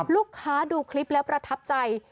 ลูกค้าดูคลิปแล้วประทับใจ